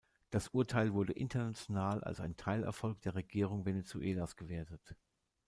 Das Urteil wurde international als ein Teilerfolg der Regierung Venezuelas gewertet.